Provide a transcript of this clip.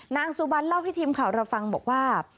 นางสุบันเล่าให้ทีมข่าวเราฟังบอกว่า